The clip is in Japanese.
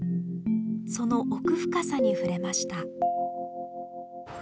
その奥深さにふれました。